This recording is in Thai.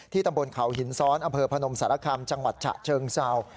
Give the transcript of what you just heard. ตำบลเขาหินซ้อนอำเภอพนมสารคำจังหวัดฉะเชิงเศร้า